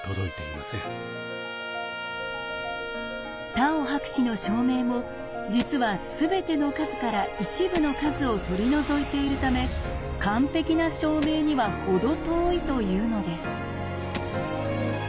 タオ博士の証明も実はすべての数から一部の数を取り除いているため完璧な証明には程遠いというのです。